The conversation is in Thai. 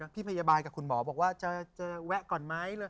พี่พยาบาลกับคุณหมอบอกว่าจะแวะก่อนไหม